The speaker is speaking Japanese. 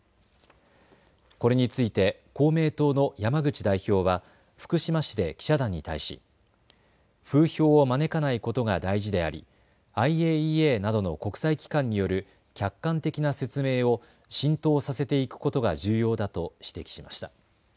これについて公明党の山口代表は福島市で記者団に対し風評を招かないことが大事でありＩＡＥＡなどの国際機関による客観的な説明を浸透させていくことが重要だと指摘しました。